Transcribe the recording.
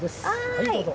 はいどうぞ。